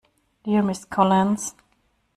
Dear Ms Collins.